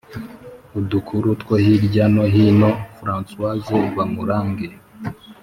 udukuru two hirya no hino françoise bamurange